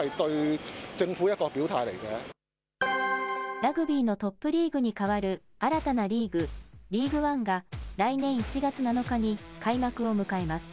ラグビーのトップリーグに代わる新たなリーグ、リーグワンが、来年１月７日に開幕を迎えます。